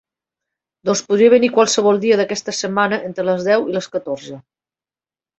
Doncs podria venir qualsevol dia d'aquesta setmana entre les deu i les catorze.